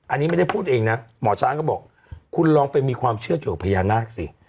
อันนี้ไม่ได้พูดเองนะหมอฉางก็บอกคุณลองมีความเชื่อดุผญานากสิ